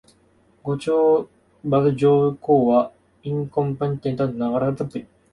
後鳥羽上皇は隠岐に流されました。